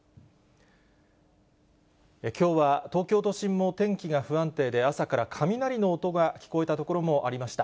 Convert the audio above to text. きょうは、東京都心も天気が不安定で、朝から雷の音が聞こえた所もありました。